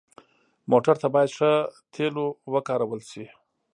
موټر ته باید ښه تیلو وکارول شي.